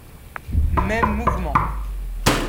Mêmes mouvements